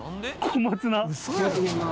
小松菜が。